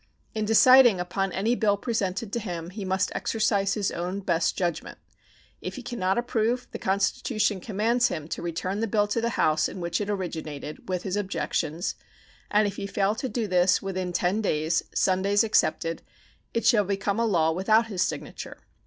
In deciding upon any bill presented to him he must exercise his own best judgment. If he can not approve, the Constitution commands him to return the bill to the House in which it originated with his objections, and if he fail to do this within ten days (Sundays excepted) it shall become a law without his signature.